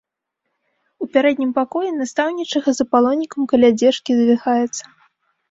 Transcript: У пярэднім пакоі настаўнічыха з апалонікам каля дзежкі завіхаецца.